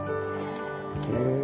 へえ。